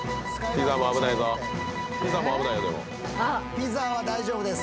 ピザは大丈夫です。